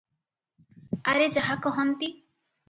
ଆରେ ଯାହା କହନ୍ତି -